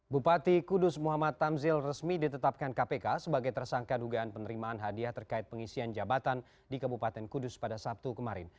bupati kudus muhammad tamzil resmi ditetapkan kpk sebagai tersangka dugaan penerimaan hadiah terkait pengisian jabatan di kabupaten kudus pada sabtu kemarin